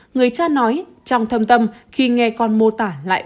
người cha nói trong thâm tâm khi nghe con mô tả lại